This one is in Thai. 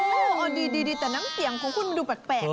โอ้โหดีแต่น้ำเสียงของคุณมันดูแปลก